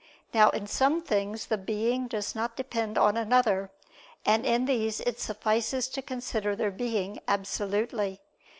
Now in some things the being does not depend on another, and in these it suffices to consider their being absolutely.